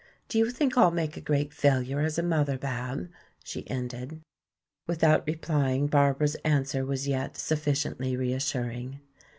Do you think I'll make a great failure as a mother, Bab?" she ended. Without replying Barbara's answer was yet sufficiently reassuring.